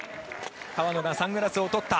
川野がサングラスを取った。